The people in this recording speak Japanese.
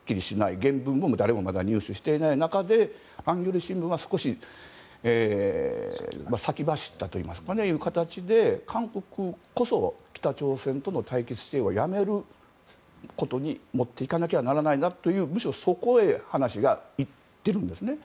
原文もまだ誰も入手していない中でハンギョレ新聞は少し先走ったという形で韓国こそ北朝鮮との対決姿勢をやめることに持っていかなきゃならないなという、むしろそこへ話がいっているんですね。